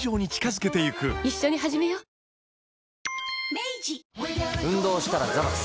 明治運動したらザバス。